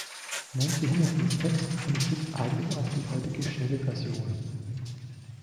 Nancy Hamiltons Text unterstützt eigentlich auch die heutige schnelle Version.